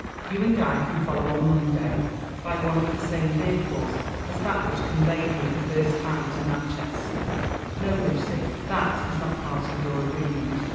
You and I cad follow on Monday, by one of the same vehicles as that which conveyed me the first time to Natchez." No, Lucy, that is not part of your agreement.